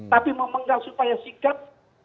tapi memenggal supaya sikat